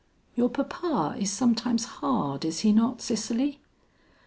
"Your papa is sometimes hard, is he not, Cicely?"